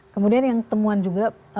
kemudian yang temuan juga